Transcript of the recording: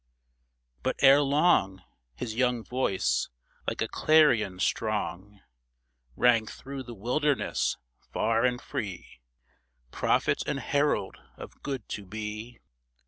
But erelong His young voice, like a clarion strong, Rang through the wilderness far and free, Prophet and herald of good to be